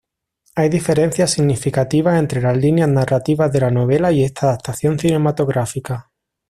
Hay diferencias significativas entre las líneas narrativas de la novela y esta adaptación cinematográfica.